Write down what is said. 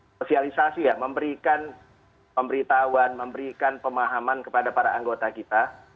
sosialisasi ya memberikan pemberitahuan memberikan pemahaman kepada para anggota kita